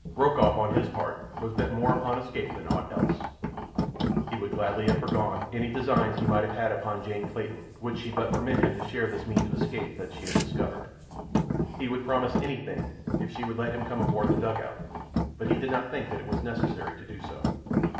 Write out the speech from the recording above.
Rokoff, on his part, was bent more upon escape than aught else. He would gladly have forgone any designs he might have had upon Jane Clayton would she but permit him to share this means of escape that she had discovered. He would promise anything if she would let him come aboard the dugout, but he did not think that it was necessary to do so.